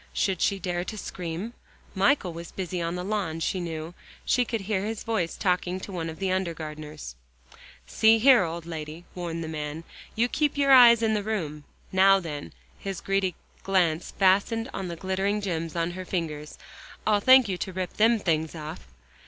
Should she dare to scream? Michael was busy on the lawn, she knew; she could hear his voice talking to one of the under gardeners. "See here, old lady," warned the man, "you keep your eyes in the room. Now then," his greedy glance fastened on the glittering gems on her fingers, "I'll thank you to rip them things off."